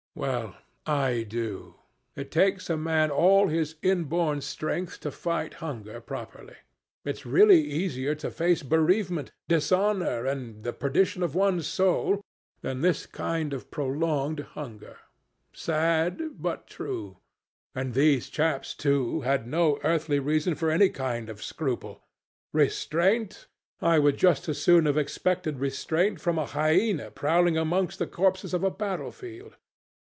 Well, I do. It takes a man all his inborn strength to fight hunger properly. It's really easier to face bereavement, dishonor, and the perdition of one's soul than this kind of prolonged hunger. Sad, but true. And these chaps too had no earthly reason for any kind of scruple. Restraint! I would just as soon have expected restraint from a hyena prowling amongst the corpses of a battlefield.